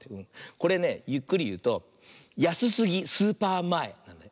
これねゆっくりいうと「やすすぎスーパーまえ」なんだよ。